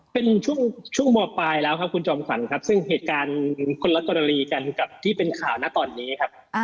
เป็นช่วงช่วงมปลายแล้วครับคุณจอมขวัญครับซึ่งเหตุการณ์คนละกรณีกันกับที่เป็นข่าวนะตอนนี้ครับ